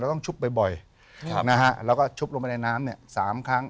ต้องชุบบ่อยแล้วก็ชุบลงไปในน้ำเนี่ย๓ครั้ง